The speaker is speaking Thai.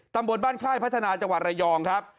ตำบลบ้านค่ายพัฒนาจังหวัดระยองครับ